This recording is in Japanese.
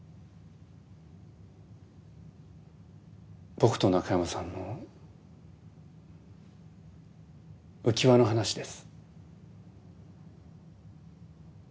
僕と中山さんのうきわの話です。